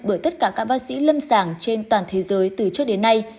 bởi tất cả các bác sĩ lâm sàng trên toàn thế giới từ trước đến nay